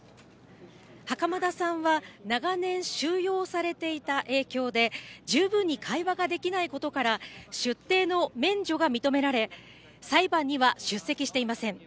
袴田さんは長年収容されていた影響で十分に会話ができないことから、出廷の免除が認められ、裁判には出席していません。